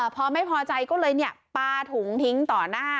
พอไม่พอใจก็เลยปลาถุงทิ้งต่อหน้า